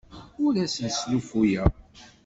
Ur asen-sslufuyeɣ.